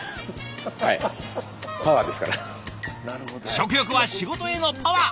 食欲は仕事へのパワー！